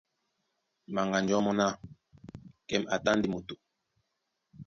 Mbaŋganjɔ̌ mɔ́ ná: Kɛ́m a tá ndé moto.